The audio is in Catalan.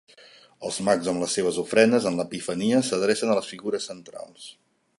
Els Mags amb les seves ofrenes, en l'Epifania, s'adrecen a les figures centrals.